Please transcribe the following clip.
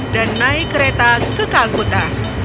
dan naik kereta ke calcutta